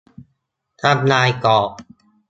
ทำลายกรอบ